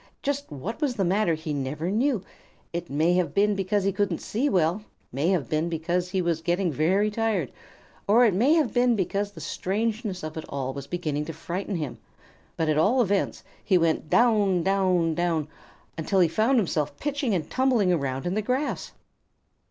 Just what was the matter, he never knew. It may have been because he couldn't see well, it may have been because he was getting very tired, or it may have been because the strangeness of it all was beginning to frighten him; but at all events, he went down, down, down until he found himself pitching and tumbling around in the grass.